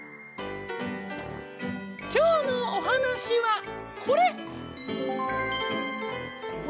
きょうのおはなしはこれ。